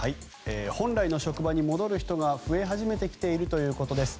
本来の職場に戻る人が増え始めてきているということです。